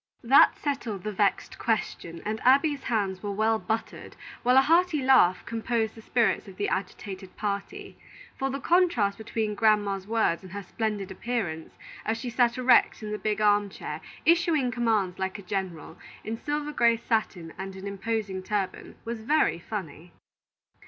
That settled the vexed question, and Abby's hands were well buttered, while a hearty laugh composed the spirits of the agitated party; for the contrast between grandma's words and her splendid appearance, as she sat erect in the big arm chair issuing commands like a general, in silver gray satin and an imposing turban, was very funny.